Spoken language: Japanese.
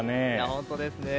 本当ですね。